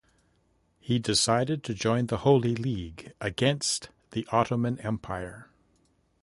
He decided to join the Holy League against the Ottoman Empire.